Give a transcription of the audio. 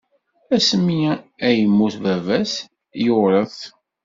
Asmi ay yemmut baba-s, yewṛet.